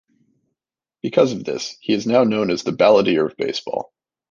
Because of this, he is now known as "The Balladeer of Baseball".